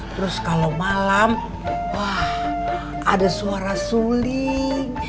terus kalau malam ada suara suling